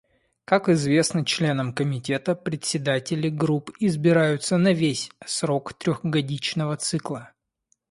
Как известно членам Комитета, председатели групп избираются на весь срок трехгодичного цикла.